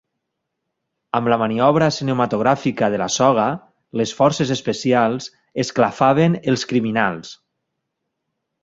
Amb la maniobra cinematogràfica de la soga, les forces especials esclafaven els criminals.